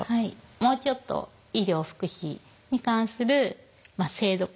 もうちょっと医療福祉に関する制度化。